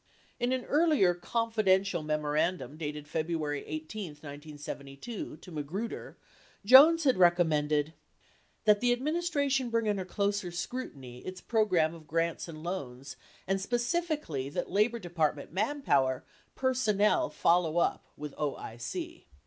In an earlier "Confidential" memorandum dated February 18, 1972, to Magruder, 82 Jones had recommended : That the Administration bring under closer scrutiny its program of grants and loans and specifically that Labor Department manpower personnel follow up with OIC.